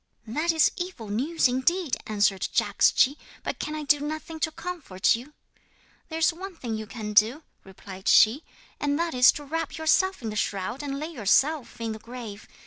'"That is evil news indeed," answered Jagdschi; "but can I do nothing to comfort you?" '"There is one thing you can do," replied she, "and that is to wrap yourself in the shroud and lay yourself in the grave.